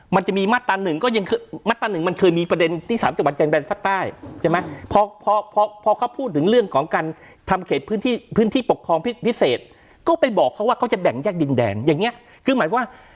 มันจะมีมาตราหนึ่งก็ยังคือมาตราหนึ่งมันเคยมีประเด็นที่สามจังหวัดชายแดนภาคใต้ใช่ไหมพอพอเขาพูดถึงเรื่องของการทำเขตพื้นที่พื้นที่ปกครองพิเศษก็ไปบอกเขาว่าเขาจะแบ่งแยกดินแดงอย่างเงี้ยคือหมายความว่า